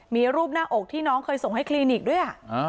มีรูปหน้าอกที่น้องเคยส่งให้คลินิกด้วย